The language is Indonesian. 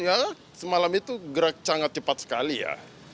ya semalam itu gerak sangat cepat sekali ya